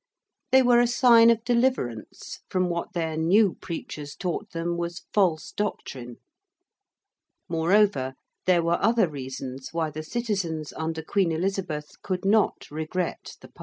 They were a sign of deliverance from what their new preachers taught them was false doctrine. Moreover, there were other reasons why the citizens under Queen Elizabeth could not regret the past.